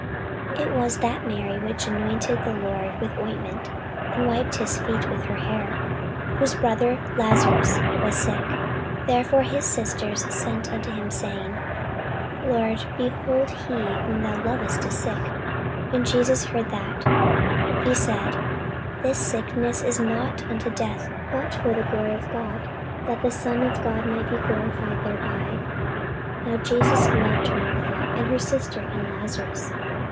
(It was that Mary which anointed the Lord with ointment, and wiped his feet with her hair, whose brother Lazarus was sick.) Therefore his sisters sent unto him, saying, Lord, behold, he whom thou lovest is sick. When Jesus heard that, he said, This sickness is not unto death, but for the glory of God, that the Son of God might be glorified thereby. Now Jesus loved Martha, and her sister, and Lazarus.